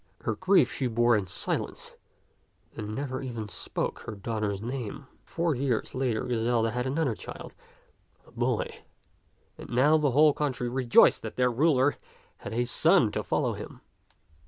Her grief she bore in silence, and never even spoke her daughter's name. Four years later Griselda had another child, a boy ; and now the whole country rejoiced that their ruler had a son to follow him.